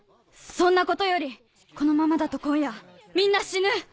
そんなことよりこのままだと今夜みんな死ぬ！